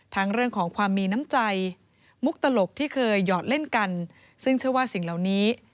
ทั้งเรื่องของความมีน้ำใจมุกตลกที่เคยหยอดเล่นกัน